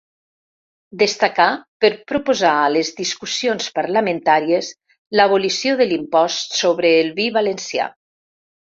Destacà per proposar a les discussions parlamentàries l'abolició de l'impost sobre el vi valencià.